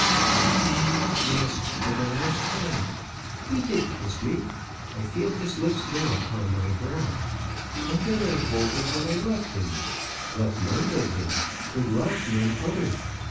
"Ah me! yes for the last time. He did kiss me. I feel his lips now upon my brow. And then I told him that I loved him; loved none but him; could love none other.